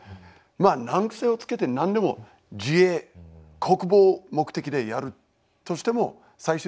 まあ難癖をつけて何でも自衛国防目的でやるとしても最終的には同じ戦争。